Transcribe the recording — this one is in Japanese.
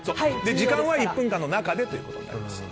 時間は１分間の中でということになります。